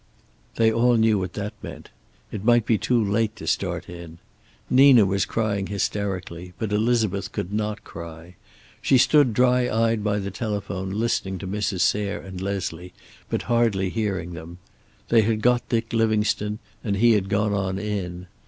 They all knew what that meant. It might be too late to start in. Nina was crying hysterically, but Elizabeth could not cry. She stood dry eyed by the telephone, listening to Mrs. Sayre and Leslie, but hardly hearing them. They had got Dick Livingstone and he had gone on in.